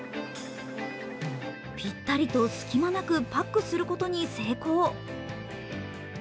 ぴったりと隙間なくパックすることに成功。